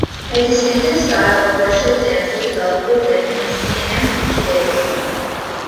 A distinctive style of worship dance has developed within Messianic Judaism.